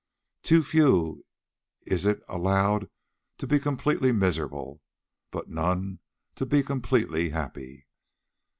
To few is it allowed to be completely miserable, to none to be completely happy.